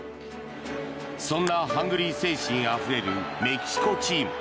そんなハングリー精神あふれるメキシコチーム。